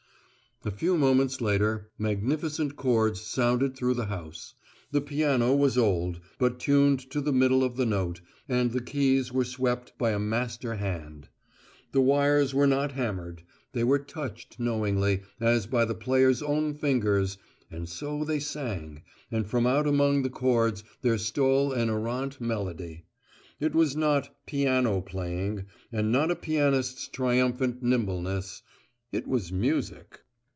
A few moments later, magnificent chords sounded through the house. The piano was old, but tuned to the middle of the note, and the keys were swept by a master hand. The wires were not hammered; they were touched knowingly as by the player's own fingers, and so they sang and from out among the chords there stole an errant melody. This was not "piano playing" and not a pianist's triumphant nimbleness it was music.